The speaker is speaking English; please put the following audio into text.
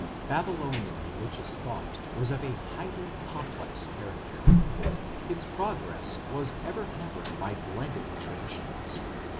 Babylonian religious thought was of highly complex character. Its progress was ever hampered by blended traditions.